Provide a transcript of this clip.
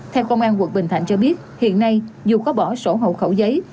theo công an quận bình thạnh cho biết hiện nay dù có bỏ sổ hộ khẩu giấy